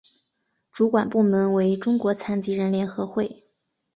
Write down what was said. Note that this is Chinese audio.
主管部门为中国残疾人联合会。